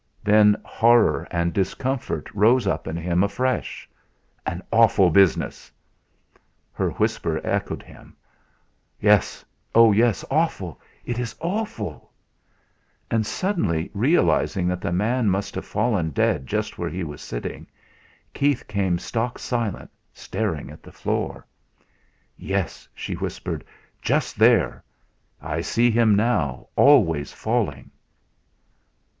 Then horror and discomfort rose up in him, afresh. "An awful business!" Her whisper echoed him: "Yes, oh! yes! Awful it is awful!" And suddenly realising that the man must have fallen dead just where he was sitting, Keith became stock silent, staring at the floor. "Yes," she whispered; "Just there. I see him now always falling!"